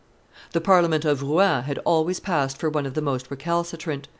The Parliament of Rouen had always passed for one of the most recalcitrant.